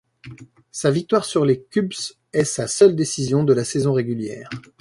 Sa victoire sur les Cubs est sa seule décision de la saison régulière.